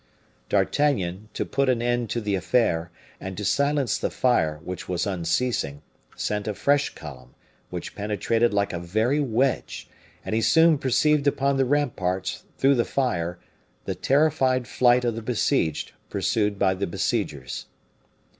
D'Artagnan, to put an end to the affair, and to silence the fire, which was unceasing, sent a fresh column, which penetrated like a very wedge; and he soon perceived upon the ramparts, through the fire, the terrified flight of the besieged, pursued by the besiegers.